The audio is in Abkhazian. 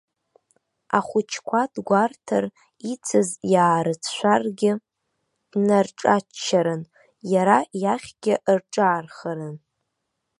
Ахәыҷқәа дгәарҭар, ицыз иаарыцәшәаргьы, днарҿаччарын, иара иахьгьы рҿаархарын.